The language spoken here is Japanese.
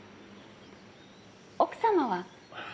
奥様は？